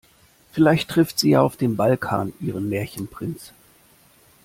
Vielleicht trifft sie ja auf dem Balkan ihren Märchenprinz.